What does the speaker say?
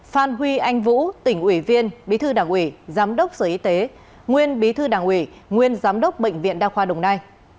phan huy anh vũ tỉnh ủy viên bí thư đảng ủy giám đốc sở y tế nguyên bí thư đảng ủy nguyên giám đốc bệnh viện đa khoa đồng nai